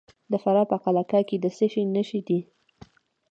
د فراه په قلعه کاه کې د څه شي نښې دي؟